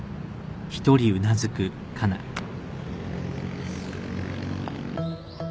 よし。